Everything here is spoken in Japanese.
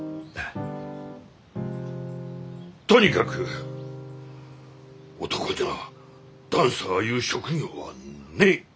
とにかく男にゃあダンサーいう職業はねえ！